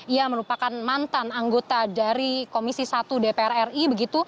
ia merupakan mantan anggota dari komisi satu dpr ri